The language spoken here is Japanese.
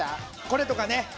これとかね。